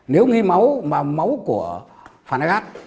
nếu nghi máu mà máu của phản hà gác